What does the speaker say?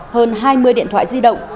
hơn hai mươi điện thoại di động